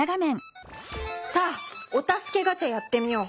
さあお助けガチャやってみよう！